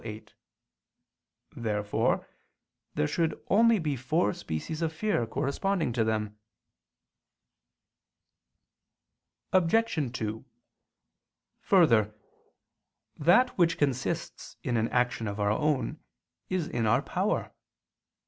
8). Therefore there should only be four species of fear corresponding to them. Obj. 2: Further, that which consists in an action of our own is in our power.